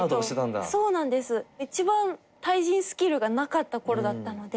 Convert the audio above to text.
一番対人スキルがなかったころだったので。